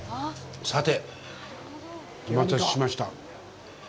さて、お待たせしました。